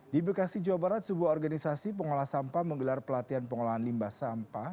di bekasi jawa barat sebuah organisasi pengolah sampah menggelar pelatihan pengolahan limbah sampah